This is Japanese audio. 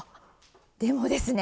でもですね